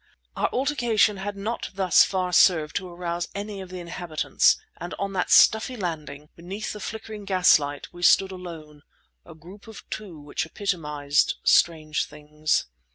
Our altercation had not thus far served to arouse any of the inhabitants and on that stuffy landing, beneath the flickering gaslight, we stood alone, a group of two which epitomized strange things.